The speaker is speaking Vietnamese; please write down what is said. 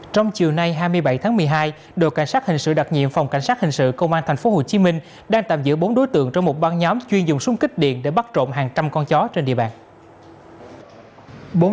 trong chiều nay hai mươi bảy tháng một mươi hai đội cảnh sát hình sự đặc nhiệm phòng cảnh sát hình sự công an tp hcm đang tạm giữ bốn đối tượng trong một băng nhóm chuyên dùng súng kích điện để bắt trộm hàng trăm con chó trên địa bàn